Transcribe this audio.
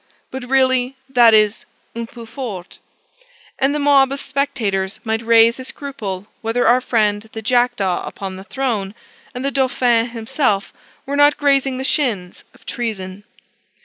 But really, that is "un peu fort;" and the mob of spectators might raise a scruple whether our friend the jackdaw upon the throne, and the Dauphin himself, were not grazing the shins of treason.